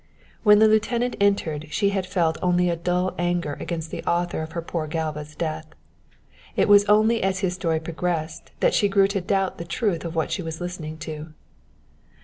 When the lieutenant entered she had felt only a dull anger against the author of her poor Galva's death. It was only as his story progressed that she grew to doubt the truth of what she was listening to.